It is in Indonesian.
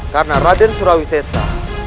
karena raden sulawisensa